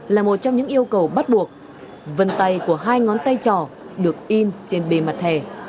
là một trong những yêu cầu bắt buộc vân tay của hai ngón tay trò được in trên bề mặt thẻ